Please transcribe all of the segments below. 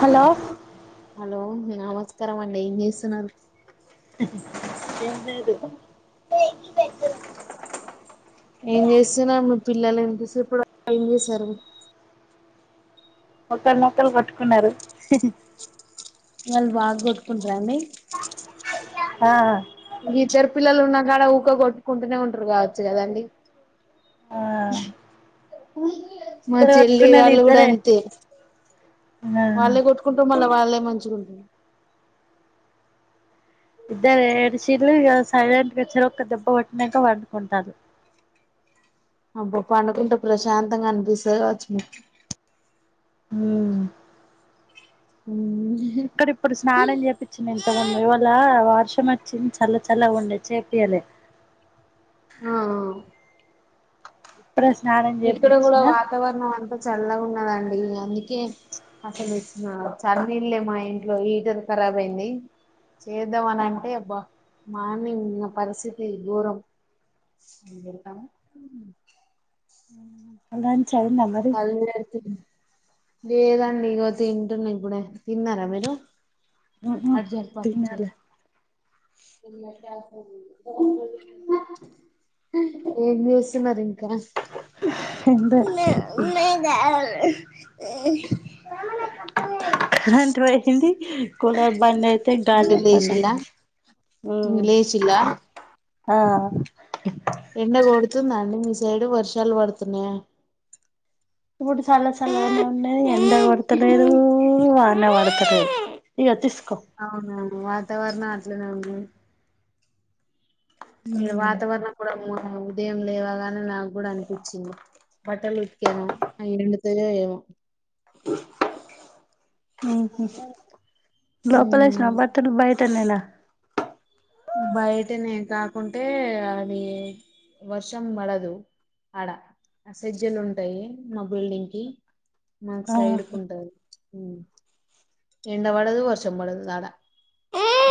Hello hello నమస్కారం అండి ఏం చేస్తున్నారు? ఏం లేదు ఏం చేస్సునా మీ పిల్లలు ఇంపిసి ఇప్పుడు ఏం చేశారు? ఒకర్నొకరు కొట్టుకున్నారు వాళ్ బాగ్ కొట్కుంట్రా అండి? ఆ ఇగ ఇద్దరు పిల్లలు ఉన్నా కుడ ఊకే కొట్టుకుంటూనే ఉంటారు కావచ్చు కదండి ఆ మా ఇద్దరు చెల్లి కొట్టుకున్నది వాళ్ళు గుడా ఇద్దరే అంతే ఆ వాళ్ళే కొట్టుకుంటు మళ్ళా వాళ్ళే మంచిగుంటురు ఇద్దరు ఏడుశిల్లు ఇగ సైలెంట్ గా చెరొక దెబ్బ పట్నంక పండుకుంటార్రు అబ్బొ పండుకుంటే ప్రశాంతంగా అనిపిస్తది కావచ్చు మీక్ ఉమ్ ఉమ్ క్కరిప్ ఇప్పుడు స్నానం చేపచ్చింది ఇంతక్ముంద్ ఇవాళ వర్షం వచ్చింది చల్ల చల్ల ఉండే చేపియ్యలే హా ఆ ఇప్పుడు స్నానం ఇక్కడ కూడా చేపిచ్చిన వాతావరణం అంతా చల్లగా ఉన్నదండి అందుకే అసలు ఇచ్చిన చన్నీల్లే మా ఇంట్లో హీటర్ ఖరాబ్ అయింది చేద్దామనింటే బా మార్నింగ్ ఉన్న పరిస్థితి గోరం వెల్తాం ఉమ్ దాన్ చెయ్యం మేమద్ [unintelligible] లేదండి ఇగో తింటున్నా ఇప్పుడే తిన్నారా మీరు? ఉ ఊ అటు తిన్నాలే ఉమ్మా ఏం చేస్సున్నార్ ఇంకా? న అంట పోయొచ్చింది కూడా బన్నైతే ఇంగ గాలి పన్నట లేచిల్లా ఇంగ ఉమ్ లేచిల్లా ఆ ఎండ కొడుతుందా అండి మీ సైడ్ వర్షాలు పడుతున్నాయా? ఇప్పుడు చాలా సల్లగా ఉండది ఎంత కొడతలేదు వాన పడ్తలేదు ఇగో తీస్కో అవునవును వాతావరణం అట్లేనే ఉంది ఈడ వాతావరణం కూడా ఉదయం లేవాగానే నాగూడా అన్పిచ్చింది బట్టలు ఉతికాను అవి ఎండుతాయో ఏమో ఊహు ఉమ్ లోపలేష్నవా బట్టలు బయటనేేనా? బయటనే కాకుంటే అది వర్షం పడదు అడ ఆ సజ్జలు ఉంటాయి మా బిల్డింగ్ కి మాకు సైడ్కు ఆహా ఉంటంది ఎండ పడదు వర్షం పోడదు అడ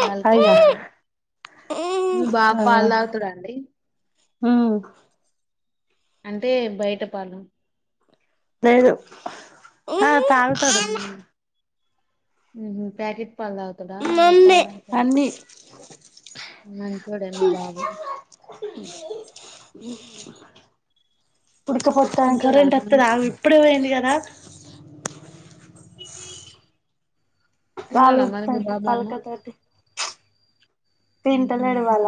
గాలికి అయ్యో ఎండాలి మీ బాబు పాలు తాగుతాడా అండి ఉ అంటే బయట పాలెం నేదు అ తాగ్ ప్యాకెట్ పాలు తాగు డా ఏ పాల్ తాగుతాడు అన్ని మంచోడే మీ బాబు ఉడకపోతాం తింటాడా కరెంట్ అన్నం వతది ఆగు ఇప్పుడే పోయింది కదా బాలు తిన్నాడా మరి మీ బాబు అన్నం పల్కతోటీ ఉహు తింటలేడు వాళ్ళ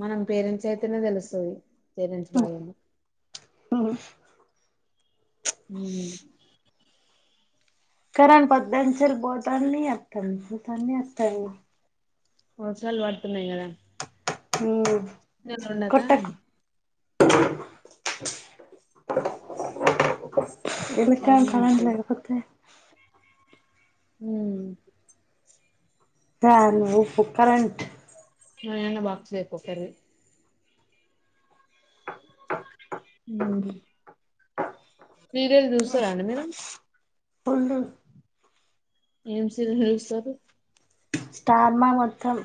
మనం పేరెంట్స్ అయితేనే తెలుస్తది పేరెంట్స్ బాధలు ఉ హ కరెంట్ పొద్దున్నుంచేలి పోతాందీ వత్తాంది పోతాంది వత్తాది వర్షాలు పడుతున్నాయి కదా ఉ ఎండలు ఉండక కొట్టకు ఎండాకాలం అలానే కరెంట్ అయితది లేపోతే ఉ దాను ఉప్ కరెంట్ న ఎన్న బాక్స్ తేపో కర్రీ ఉ సీరియల్ చూస్తారా అండి మీరు పుల్లు ఏం సీరియల్ చూస్తారు స్టార్ మా మొత్తం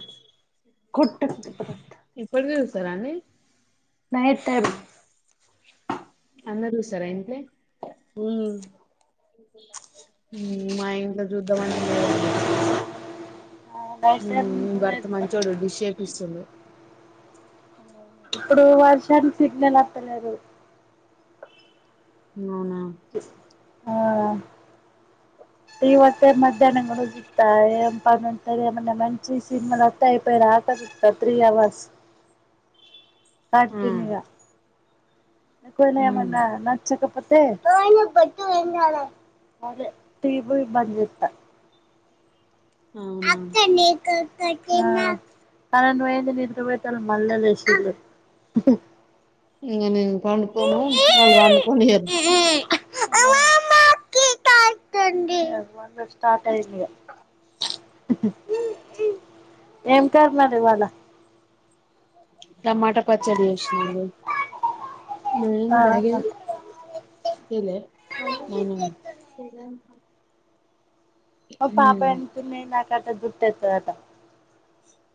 కొట్టు ఇప్పటికీ చూస్తారా అండి నైట్ టైమ్ అందరు చూస్తారా ఇంట్లే ఉ ఉ మా ఇంట్ల చూద్దామంటే లేదండి ఇది నైట్ ఉ టైం మీ భర్త మంచోడు డిష్ ఏపిస్తుండు ఇప్పుడు వర్షానికి సిగ్నల్ అత్తలేదు అవునా ఆ టీవీ వత్తే మధ్యాహ్నం కూడా చూ త్త ఏం పని ఉంటది ఏమన్నా మంచిది సినిమాలు వత్తే అయిపోయేదాకా చూత్తా త్రీ అవర్స్ ఉమ్ కంటిన్యూగా కొ ఉమ్ ఏమన్నా నా నచ్చకపోతే టీబు బంద్ చేత్తా అవునా ఆ కరెంటు పోయింది నిద్రపోయేటోలు మల్ల నిద్ర లేసింలు ఇంక నేను పండుకోను వాళ్లు పండుకోనియ్యరు ఈ అమ్మమ్మ కి కాలతంది అది మళ్లా స్టార్ అయింది ఇక ఏం కర్రి మరి ఇవాళ టమాటా పచ్చడి చేసినా అండి నువ్వే ఏంది బ్యాగ్ ఆహా ఏది తేలే నానం ఓ మా పాప అనుకుంన నాకటా జుట్టేతాదట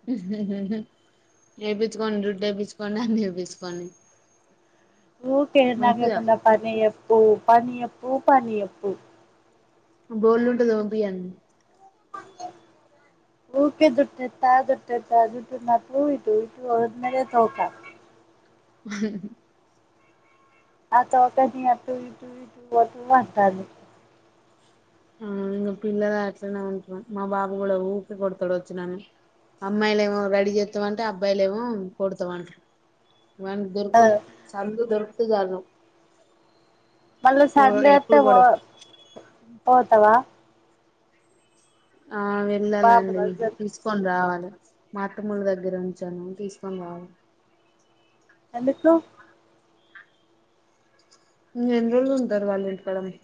హు హు హు వేపించుకోండి జుట్టు వేపించుకోండి అన్ని ఏపించుకోండి ఊకె నాకేమన్నా పని యెప్పు పని యెప్పు పని యెప్పు బొల్లుంటే ఉంటే తోమిపియ్యన్ [inaudible] ఊకే జుట్టేత్త జుట్టేత్త జుట్టు నన్ను ఇటు ఇటు ఉన్నాదే తోక ఉహ్ ఆ తోకని అటు ఇటు ఇటు అటు అంటాంది ఆ ఇంగా పిల్లలు అట్లనే ఉంటారు మా బాబు కూడా ఊకే కొడతాడు వచ్చి నన్ను అమ్మాయిలేమో రెడీ చేత్తామంటే అబ్బాయిలు ఏమో కొడతామంటర్ వ ఆ దొరుకోద్ సందు దొరికితే చాలు మళ్ళ సండే ఓత్తే ఎప్పుడు పో కూడా పోతవా ఆ బాబు వెళ్ళాలండి ఇస్ దగ్గరికి తీసుకొని రావాలి మా అత్తమోల్లా దగ్గర ఉంచాను తీసుకొని రావాలి ఎందుకు ఇంగా ఎన్ని రోజులు ఉంటారు వాళ్ళింటికాడ పోయి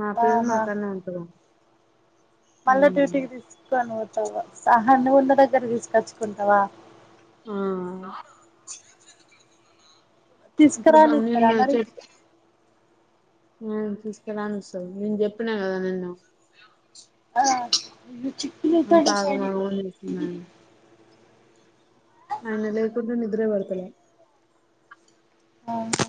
మా పిల్లలు ఆహా మాకాడ్నే ఉంటారు మళ్ళా డ్యూటీకి తీసుకొని పోతావా స ఆహా ఉన్న దగ్గర తీసుకొచ్చుకుంటావా ఆ ఇప్పుడు తీసుకరానిత్తరా నిన్న మరి ఉమ్ తీసుకరానిస్తారు నేను చెప్పినా కదా నిన్న ఆ ఉ చిక్కులయితన్నాయి షైనీ ఏసినాను ఆయన లేకుంటే నిద్రే బడుతలే అవునా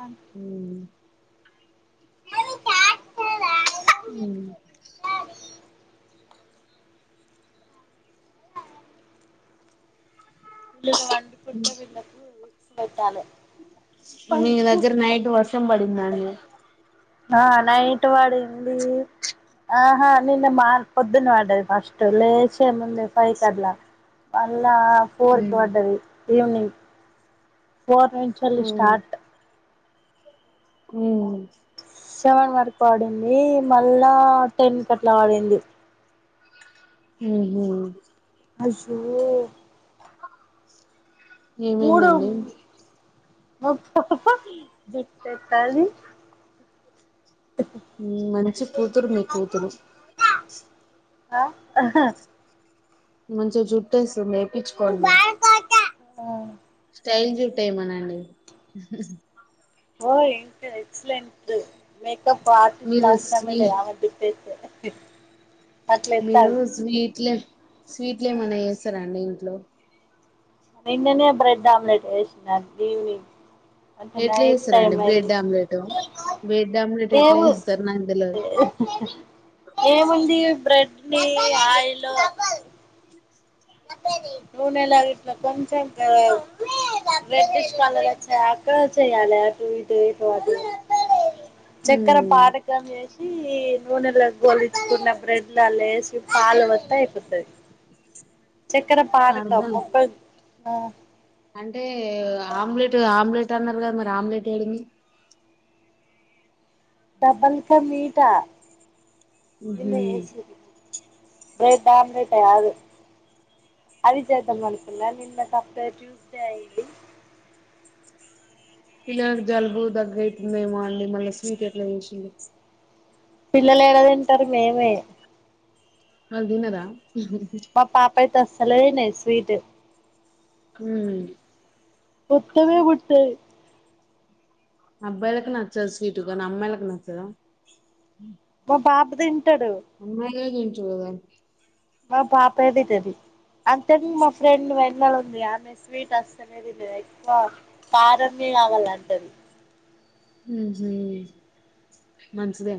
ఆ ఉ ఉ ఆహా వీళ్ళును వండుకుంటే వీళ్ళలకు వీక్స్ పెట్టాలే మీ దగ్గర నైట్ వర్షం పడిందా అండి ఆ నైటు వడింది ఆహా నిన్న మాక్ పొద్దును పడ్డది ఫస్ట్ లేషే ముందే ఫై కట్ల్లా మళ్ళ ఫోర్ కు ఉమ్ వడ్డది ఈవినింగ్ ఫోర్ నుంచేల్లి ఉమ్ స్టార్ట్ ఊ సెవెన్ వరక్ వడింది మళ్ళా టెన్ కట్లా వడింది ఉహు అజ్యో మూడోమ్ ఏమైందండి మబ్బో జట్టెత్తల్లి హు మంచి కూతురు మీ కూతురు ఆ ఆహా మంచిగా జుట్టేస్తుంది ఏపిచ్చుకోండి ఆ స్టైల్ జుట్టేయమనండి ఓ ఎస్తది ఎక్సలెంట్ మేకప్ ఆర్టిస్టులు మీరు అవసరమే స్వీ లేదు ఆమెకి [inaudible] మీరు స్వీట్లు స్వీట్లు ఏమన్న చేస్తారాండి ఇంట్లో నిన్ననే బ్రెడ్ ఆమ్లెట్ వేసిన అండి అంటే ఎట్లా నైట్ టైమ్ చేస్తారండి అయింది బ్రెడ్ ఆమ్లెట్ బ్రెడ్ ఆమ్లెట్ ఎట్లా ఏము చేస్తారు నాకు తెలవదు ఏముంది బ్రెడ్ నీ ఆయిల్ లో నూనెలా ఇట్లా కొంచమ్ రెడ్డిష్ కలర్ వచ్చేదాకా చేయ్యాలి అటు ఇటు ఇటు అటు చక్కర ఉమ్ పానక్ కం చేసి నూనెలో గోలిచ్చుకున్న బ్రెడ్లల్ల ఏసి పాలు బోస్తే అయిపోతది చక్కర పానకం అర్ధం [unintelligible] ఆ అంటే ఆమ్లెట్ ఆమ్లెట్ అన్నారు కదా మరి ఆమ్లెట్ ఏడుంది డబల్కా మీట ఉహు నిన్న చేసింది బ్రెడ్ ఆమ్లెట్ కాదు అది చేేద్దం అనుకున్నా నిన్న [unintelligible] ట్యూస్డే అయింది పిల్లలకు జలుబు దగ్గు అయతుంది ఏమో అండి మళ్ళీ స్వీట్ ఎట్లా చేసింది పిల్లలు ఏడ తింటారు మేమే వాళ్లు తినరా హు హు మా పాప అయితే అస్సలే తినదు స్వీటు ఊ ముట్టనే ముట్టది అబ్బాయిలకు నచ్చదు స్వీటు కానీ అమ్మాయిలకు నచ్చద మా బాబు తింటడు అమ్మాయిలే తింటారు కదా మా పాప తింటది అంతే మా ఫ్రెండ్ [unintelligible] ఉంది ఆమె స్వీట్ అస్సలే తినదు ఎక్కువ కారం ది కావాల్ల అంటది ఊహు మంచిదే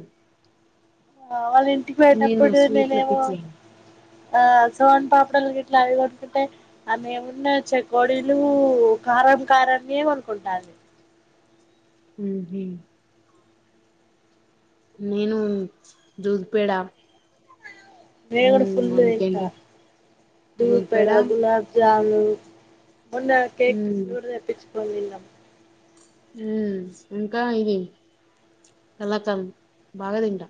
ఆ వాళ్ళ ఇంటికి నేను పోయినప్పుడు స్వీట్ల నేనేమో పిచ్చిదాన్ని ఆ సోన్ పాపడాలు గిట్ల అవి కొనుక్కుంటే ఆమె ముందే చెకోడీలు కారం కారాన్ని వే కొనుకుంటంది ఊహు నేను దూద్ పేడ నేను కూడా ఫుల్ ఉమ్ తింట ఇంకేంటి దూద్ పేడ గులాబ్ జామున్ మొన్న కేక్ పీసెస్ ఉమ్ కూడ తెప్పించుకోని తిన్నాం ఉ ఇంకా ఇది కలాకండ్ బాగా తింట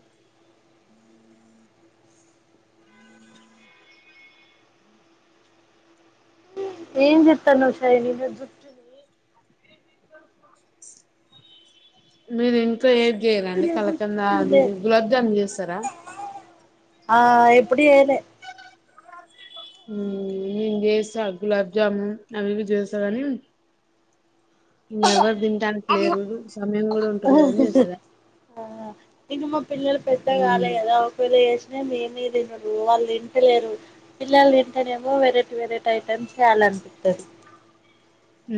ఏం జెత్తన్నావ్ షైని మీరు ఇంట్లో ఏం చేయ్యరా అండి అస్సలే కలకాండ్ అది ఊసిపోతదిలే గులాబ్ జామ్ చేస్తారా ఆ ఎప్పుడు చెయ్యలే ఉ నెన్ చేస్తా గులాబ్ జామున్ అవి ఇవి చేస్తా కాని ఎవరు తినటానికి లేరు సమయం కూడా ఉంటలేదని చేస్తలే ఇంగ మా పిల్లలు పెద్ద కాలే ఉమ్ కదా వాళ్లు చేసిన మేమే తినుడు వాళ్ళు తింటలేరు పిల్లలు తింటేనేమో వెరైటీ వెరైటీ ఐటెమ్స్ చేయాలనిపిత్తది ఊ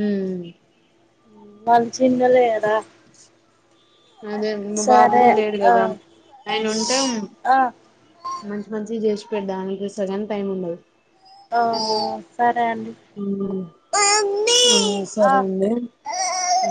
వాళ్ళు చిన్నోళ్ళే కదా అదే మా బాబు సరే కూడ లేడు ఆ కదా ఆయన ఉంటే ఆ మంచి మంచి చేసి [unintelligible] సగం టైమ్ ఉండదు ఆ సరే అండి ఆ ఆ సరే అండి ఉ